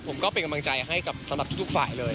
ผมก็เป็นกำลังใจให้กับสำหรับทุกฝ่ายเลย